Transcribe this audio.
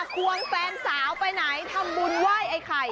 ควงแฟนสาวไปไหนทำบุญไหว้ไอ้ไข่